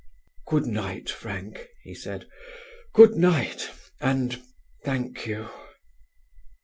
"Good night, Frank," he said, "good night, and thank you."